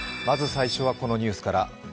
まず最初はこのニュースから。